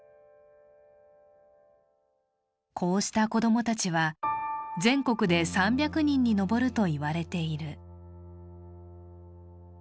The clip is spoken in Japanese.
こうした子供たちは全国で３００人に上るといわれている。